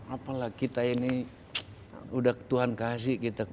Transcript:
apalah kita ini udah tuhan kasih kita kesempatan menjadi pemerintah